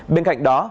bên cạnh đó